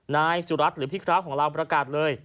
นายสุรัตน์หรือพี่คร้าวของเราประกาศเลย